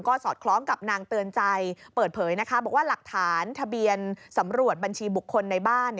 ก็สอดคล้องกับนางเตือนใจเปิดเผยนะคะบอกว่าหลักฐานทะเบียนสำรวจบัญชีบุคคลในบ้าน